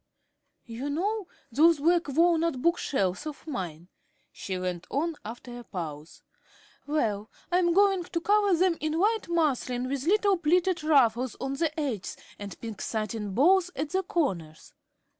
"You know those black walnut book shelves of mine," she went on, after a pause; "well, I am going to cover them in white muslin with little pleated ruffles on the edges and pink satin bows at the corners.